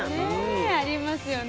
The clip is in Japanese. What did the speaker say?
ありますよね。